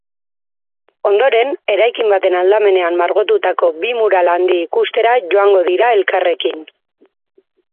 Ondoren, eraikin baten aldamenean margotutako bi mural handi ikustera joango dira elkarrekin.